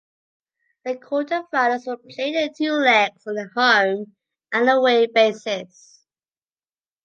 The quarter-finals were played in two legs on a home-and-away basis.